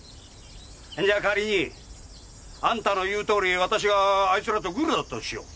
んじゃあ代わりにあんたの言うとおり私があいつらとグルだったとしよう。